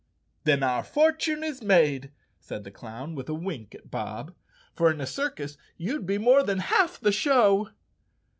"Then our fortune is made," said the clown, with a wink at Bob, "for in a circus you'd be more than half the show."